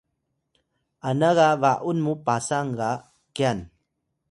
ana ga ba’un mu Pasang ga kyan